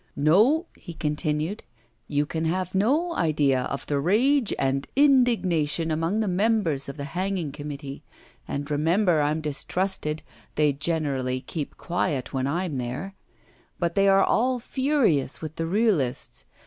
'No,' he continued, 'you can have no idea of the rage and indignation among the members of the hanging committee. And remember I'm distrusted, they generally keep quiet when I'm there. But they are all furious with the realists.